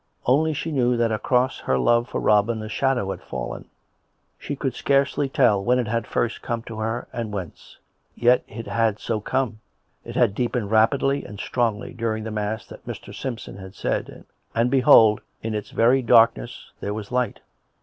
Only she knew that across her love for Robin a shadow had fallen; she could scarcely tell when it had first come to her, and whence. Yet it had so come; it had deepened rapidly and strongly during the mass that Mr. Simpson had said, and, behold I in its very darkness there was light.